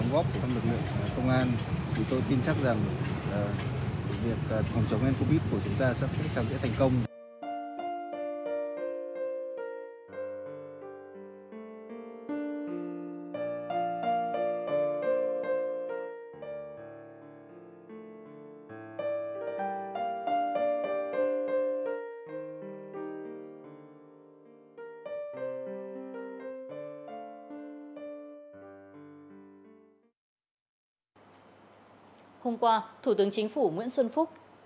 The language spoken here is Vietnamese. hôm qua thủ tướng chính phủ nguyễn xuân phúc